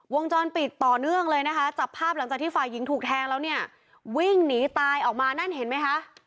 วงจรปิดต่อเนื่องเลยนะคะจับภาพหลังจากที่ฝ่ายหญิงถูกแทงแล้วเนี่ยวิ่งหนีตายออกมานั่นเห็นไหมคะ